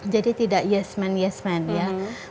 jadi tidak yes man yes man ya